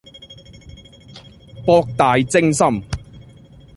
博大精深